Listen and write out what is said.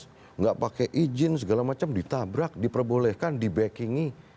tidak pakai izin segala macam ditabrak diperbolehkan di backingi